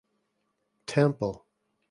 Temple.